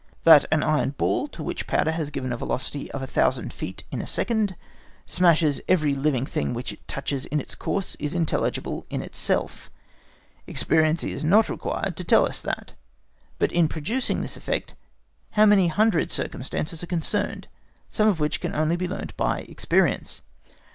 That an iron ball to which powder has given a velocity of 1000 feet in a second, smashes every living thing which it touches in its course is intelligible in itself; experience is not required to tell us that; but in producing this effect how many hundred circumstances are concerned, some of which can only be learnt by experience!